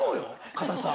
硬さ。